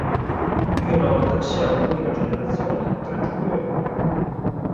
Più a Nord, si ha un'unica generazione tra giugno e luglio.